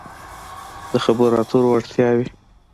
-د خبرو اترو وړتیاوې